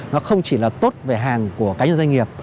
nó không chỉ là tốt về hàng của cá nhân doanh nghiệp